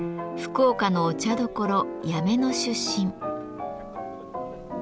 福岡のお茶どころ八女の出身。